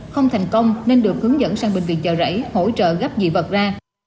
không thành công nên được hướng dẫn sang bệnh viện chợ rẫy hỗ trợ gấp dị vật ra